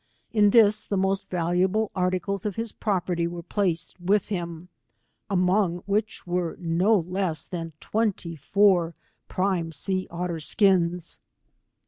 la this, the most valuable articles of his property were placed with him, among; which were co less thaa tweuJy foar prime sea otter skias.